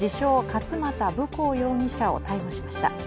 勝又文弘容疑者を逮捕しました。